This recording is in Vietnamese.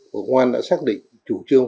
và bộ công an đã xác định chủ trương